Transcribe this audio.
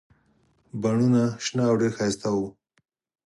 بڼونه شنه او ډېر ښایسته وو.